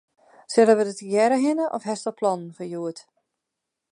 Sille we dêr tegearre hinne of hast al plannen foar hjoed?